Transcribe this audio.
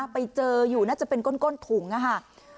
ไปเจออยู่น่าจะเป็นก้นถุงค่ะ